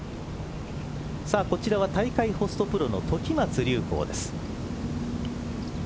こちらは大会ホストプロの時松隆光です。